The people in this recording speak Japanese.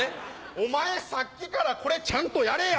お前さっきからこれちゃんとやれや。